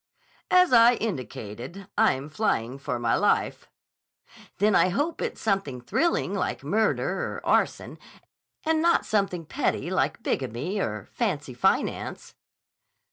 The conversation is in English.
"As I indicated, I'm flying for my life." "Then I hope it's something thrilling like murder or arson, and not something petty like bigamy or fancy finance."